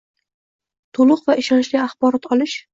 to‘liq va ishonchli axborot olish;